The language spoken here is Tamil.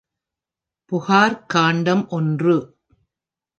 புகார்க் காண்டம் ஒன்று.